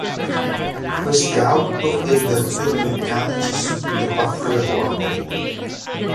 Queste auto ebbero freni meccanici su tutte e quattro le ruote.